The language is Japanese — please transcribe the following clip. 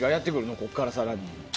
ここから更に。